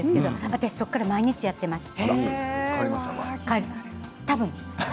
私そこから毎日やっています。